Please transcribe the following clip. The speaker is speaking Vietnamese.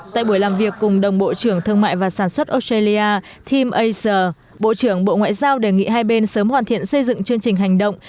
tại buổi làm việc cùng đồng bộ trưởng thương mại và sản xuất australia tim acer bộ trưởng bộ ngoại giao đề nghị hai bên sớm hoàn thiện xây dựng chương trình hành động